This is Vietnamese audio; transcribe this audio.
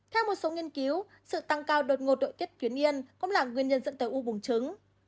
theo một số nghiên cứu sự tăng cao đột ngột đội tiết phiến yên cũng là nguyên nhân dẫn tới u bùng trứng